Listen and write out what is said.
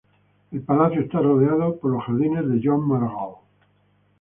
El palacio está rodeado por los Jardines de Joan Maragall.